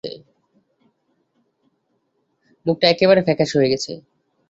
মুখটা একেবারে ফ্যাকাসে হয়ে গেছে।